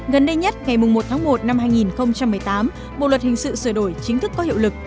gần đây nhất ngày một tháng một năm hai nghìn một mươi tám bộ luật hình sự sửa đổi chính thức có hiệu lực